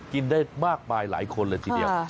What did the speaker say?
กินได้มากมายหลายคนเลยทีเดียว